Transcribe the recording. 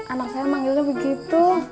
anak saya manggilnya begitu